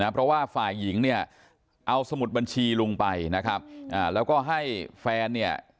เพราะว่าฝ่ายหญิงเนี่ยเอาสมุดบัญชีลุงไปนะครับแล้วก็ให้แฟนเนี่ย